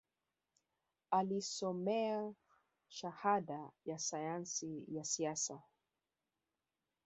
Alisomea Shahada ya Sayansi ya Siasa